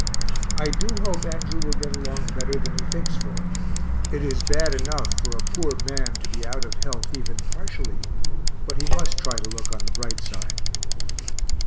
I do hope Andrew will get along better than he thinks for it is bad enough for a poor man to be out of health even partially, but he must try to look on the bright side.